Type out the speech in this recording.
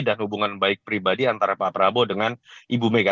hubungan baik pribadi antara pak prabowo dengan ibu mega